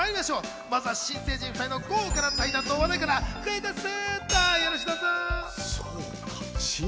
まずは新成人２人の豪華な対談の話題からクイズッス。